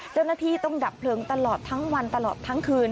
เจ้าหน้าที่ต้องดับเพลิงตลอดทั้งวันตลอดทั้งคืน